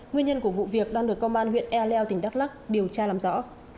nguyên nhân của vụ việc đang được công an huyện e leo tỉnh đắk lắc điều tra làm rõ